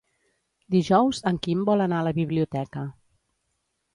Dijous en Quim vol anar a la biblioteca.